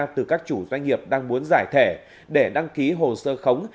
từ các chủ doanh nghiệp đang muốn giải thể để đăng ký hồ sơ khống